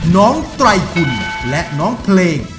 ไตรคุณและน้องเพลง